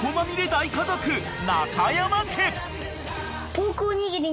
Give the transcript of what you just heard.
大家族中山家！］